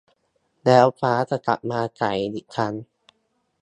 แล้วฟ้าจะกลับมาใสอีกครั้ง